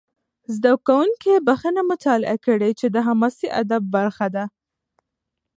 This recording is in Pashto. زده کوونکي بخښنه مطالعه کړي، چې د حماسي ادب برخه ده.